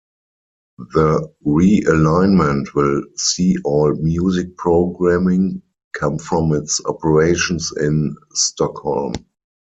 The re-alignment will see all music programming come from its operations in Stockholm.